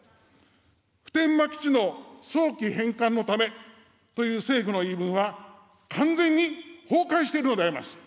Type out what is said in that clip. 普天間基地の早期返還のためという政府の言い分は、完全に崩壊しているのであります。